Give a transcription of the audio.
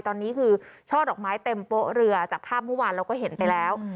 ตอนนี้คือช่อดอกไม้เต็มโป๊ะเรือจากภาพเมื่อวานเราก็เห็นไปแล้ว